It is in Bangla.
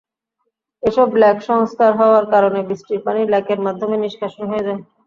এসব লেক সংস্কার হওয়ার কারণে বৃষ্টির পানি লেকের মাধ্যমে নিষ্কাশন হয়ে যায়।